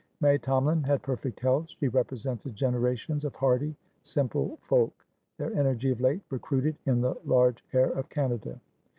May Tomalin had perfect health: she represented generations of hardy, simple folk, their energy of late recruited in the large air of Canada.